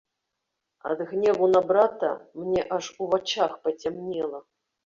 Ад гневу на брата мне аж у вачах пацямнела.